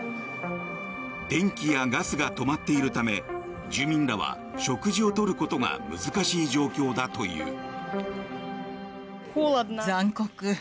電気やガスが止まっているため住民らは食事をとることが難しい状況だという。